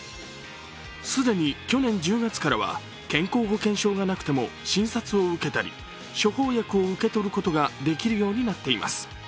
既に去年１０月からは健康保険証がなくても診察を受けたり、処方薬を受け取ることができるようになっています。